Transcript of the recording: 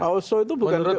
pak osho itu bukan ketua umum